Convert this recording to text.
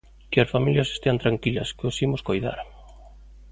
Que as familias estean tranquilas, que os imos coidar.